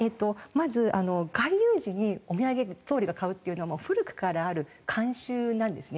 まず外遊時にお土産総理が買うっていうのは古くからある慣習なんですね。